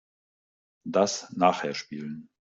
Das nachher spielen.